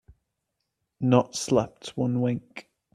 Not slept one wink